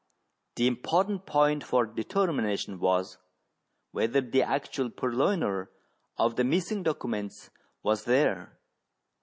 The important point for determination was, whether the actual purloiner of the missing documents was there.